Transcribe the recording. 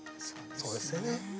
そうですね。